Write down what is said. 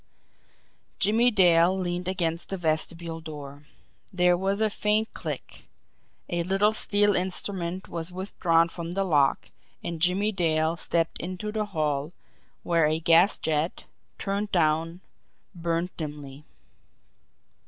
Jimmie Dale leaned against the vestibule door there was a faint click a little steel instrument was withdrawn from the lock and Jimmie Dale stepped into the hall, where a gas jet, turned down, burned dimly.